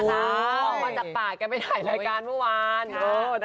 บอกว่าจับปากแกไม่ถ่ายรายการเมื่อวาน